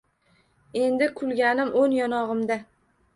Endi kulganim on yonog’imda